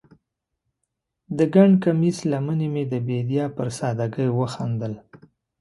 د ګنډ کمیس لمنې مې د بیدیا پر سادګۍ وخندل